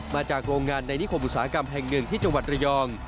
มาจากโรงงานในนิคมอุตสาหกรรมแห่งหนึ่งที่จังหวัดระยอง